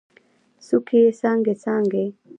څوکې یې څانګې، څانګې